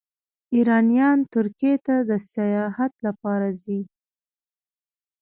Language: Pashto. ایرانیان ترکیې ته د سیاحت لپاره ځي.